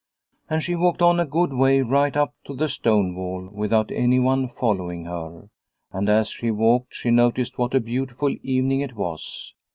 And she walked on a good way, right up to the stone wall, without anyone following her. And as she walked she noticed what a beautiful evening it was.